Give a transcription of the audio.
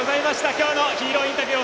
今日のヒーローインタビュー